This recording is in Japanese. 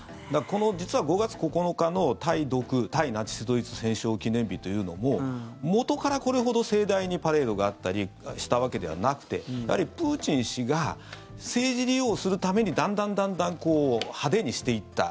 実は５月９日の対ナチス・ドイツ戦勝記念日も元からこれほど盛大にパレードがあったりしたわけではなくてプーチン氏が政治利用するためにだんだん派手にしていった。